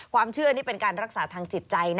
ความเชื่อนี้เป็นการรักษาทางจิตใจ